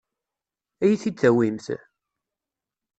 Ad iyi-t-id-tawimt?